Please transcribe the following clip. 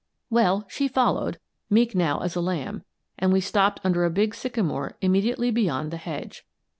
Well, she followed, meek now as a lamb, and we stopped under a big sycamore immediately beyond the hedge.